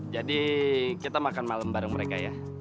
jadi kita makan malam bareng mereka ya